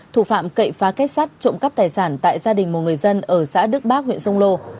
thủ phạm cậy phá kết sắt trộm cắp tài sản tại gia đình một người dân ở xã đức bác huyện sông lô